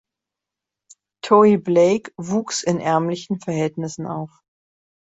Toe Blake wuchs in ärmlichen Verhältnissen auf.